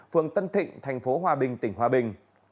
phường tân thịnh thành phố hòa bình tỉnh hòa bình